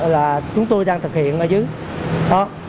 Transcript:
là chúng tôi đang thực hiện ở dưới